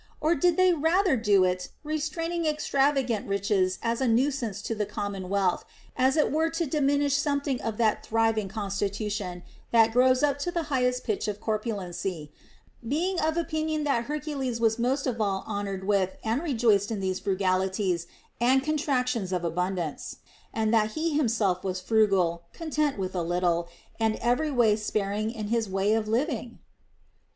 Or did they rather do it, restraining extravagant riches as a nuisance to the commonwealth, as it were to diminish something of that thriving constitution that grows up to the highest pitch of corpulency ; being of opinion that Hercules was most of all honored with and rejoiced in these frugalities and contractions of abundance, and that he himself was frugal, content with a little, and every way sparing in his way of living